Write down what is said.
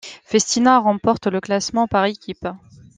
Festina remporte le classement par équipes.